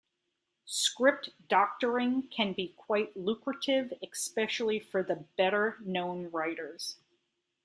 Script-doctoring can be quite lucrative, especially for the better-known writers.